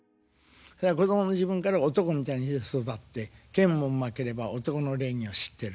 子供の時分から男みたいにして育って剣もうまければ男の礼儀を知ってる。